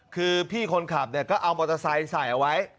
คือพี่คนขับเนี่ยก็เอามอเตอร์ไซค์ใส่เอาไว้